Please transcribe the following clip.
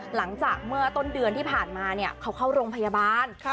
หลังจากเมื่อต้นเดือนที่ผ่านมาเขาเข้าโรงพยาบาล